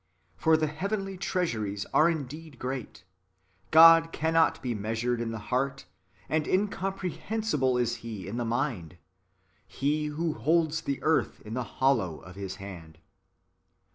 For the heavenly trea suries are indeed great : God cannot be measured in the heart, and incomprehensible is He in the mind ; He who holds the earth in the hollow of His hand.